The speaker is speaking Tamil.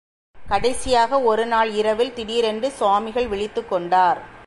கடைசியாக ஒரு நாள் இரவில் திடீரென்று சுவாமிகள் விழித்துக் கொண்டார்.